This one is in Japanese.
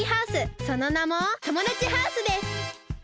そのなもともだちハウスです。